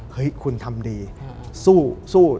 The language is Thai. เฮ้ยคุณทำดีสู้